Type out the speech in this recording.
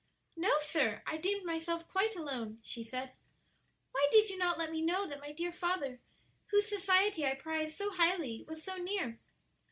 "No, sir; I deemed myself quite alone," she said. "Why did you not let me know that my dear father, whose society I prize so highly, was so near?"